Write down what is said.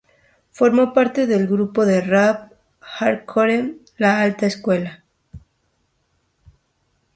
Formó parte del grupo de rap hardcore La Alta Escuela.